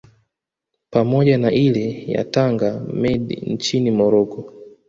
pamoja na ile ya Tanger Med nchini Morocco